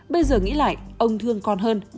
bây giờ nghĩ lại ông thương con hơn